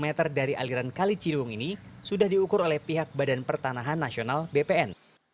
lahan yang terletak dua puluh meter dari aliran kali cilung ini sudah diukur oleh pihak badan pertanahan nasional bpn